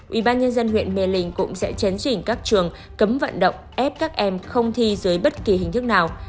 ubnd huyện mê linh cũng sẽ chấn chỉnh các trường cấm vận động ép các em không thi dưới bất kỳ hình thức nào